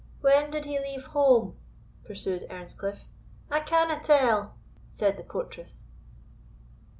"When did he leave home?" pursued Earnscliff. "I canna tell," said the portress.